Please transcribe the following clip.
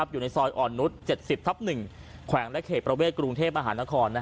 อยู่ในซอยอ่อนนุษย์๗๐ทับ๑แขวงและเขตประเวทกรุงเทพมหานคร